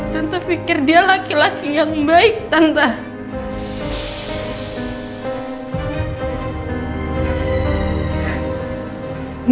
tante pikir dia laki laki yang baik tante